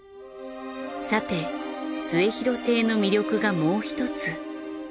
さて『末廣亭』の魅力がもうひとつ。